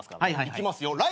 いきますよ